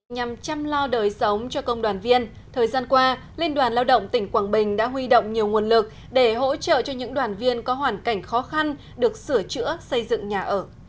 nhằm chăm lo đời sống cho công đoàn viên thời gian qua liên đoàn lao động tỉnh quảng bình đã huy động nhiều nguồn lực để hỗ trợ cho những đoàn viên có hoàn cảnh khó khăn được sửa chữa xây dựng nhà ở